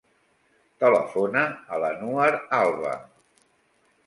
Telefona a l'Anouar Alba.